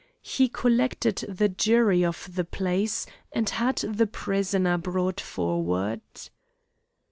He collected the jury of the place, and had the prisoner brought forward.